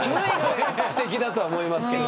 すてきだとは思いますけど。